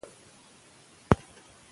سړی به سبا هم کار وکړي.